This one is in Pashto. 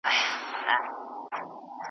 له خوښيه ابليس وكړله چيغاره .